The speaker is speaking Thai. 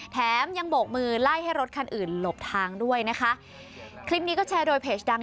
แถมยังโบกมือไล่ให้รถคันอื่นหลบทางด้วยนะคะคลิปนี้ก็แชร์โดยเพจดัง